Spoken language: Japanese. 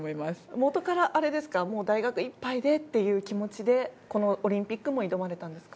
もとから、もう大学いっぱいでという気持ちでこのオリンピックも挑まれたんですか？